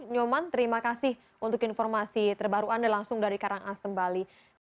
nyoman terima kasih untuk informasi terbaru anda langsung dari karangasem bali